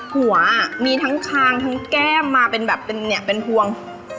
หัวมีทั้งคางทั้งแก้มมาเป็นแบบเป็นเนี่ยเป็นพวง